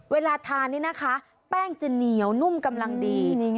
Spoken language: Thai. เวลาทานนี่นะคะแป้งจะเหนียวนุ่มกำลังดี